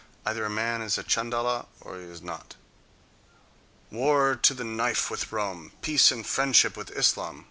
Either a man is a Chandala or he is not.... "War to the knife with Rome! Peace and friendship with Islam!"